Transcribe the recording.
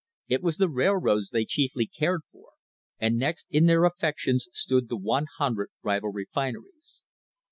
It was the railroads they chiefly cared for, and next in their affections stood the 100 rival refineries.